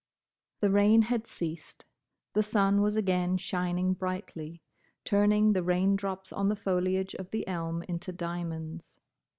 The rain had ceased. The sun was again shining brightly, turning the rain drops on the foliage of the elm into diamonds.